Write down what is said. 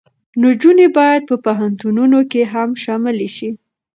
نجونې باید په پوهنتونونو کې هم شاملې شي.